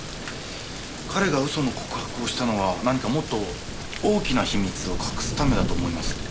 彼が嘘の告白をしたのは何かもっと大きな秘密を隠すためだと思います。